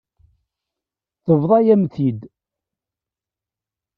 Tebḍa-yam-t-id.